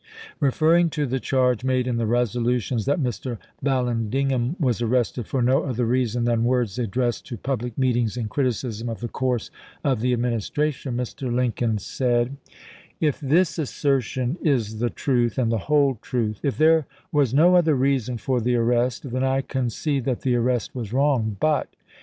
Referring to the charge made in the resolutions that Mr. Vallandigham was arrested for no other reason than words addressed to public meetings in criticism of the course of the Administration, Mr. Lincoln said: If this assertion is the truth and the whole truth, — if there was no other reason for the arrest, — then I concede that the arrest was wrong. But